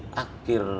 sebelum akhir september